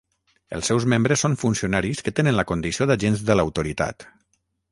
Els seus membres són funcionaris que tenen la condició d'agents de l'autoritat.